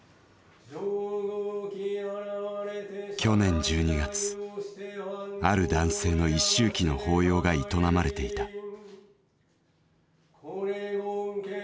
去年１２月ある男性の一周忌の法要が営まれていた。